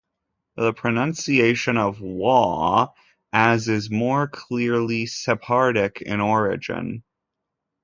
The pronunciation of "waw" as is more clearly Sephardic in origin.